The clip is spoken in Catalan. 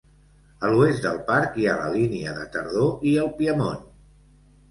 A l'oest del parc hi ha la línia de tardor i el Piemont.